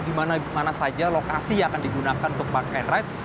di mana saja lokasi yang akan digunakan untuk park and ride